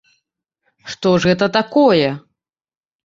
Што ж гэта такое?!